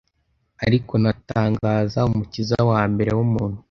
Ariko natangaza umukiza wambere wumuntu